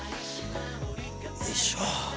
よいしょ。